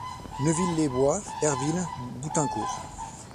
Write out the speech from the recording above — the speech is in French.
Neuville-les-Bois, Herville, Boutaincourt.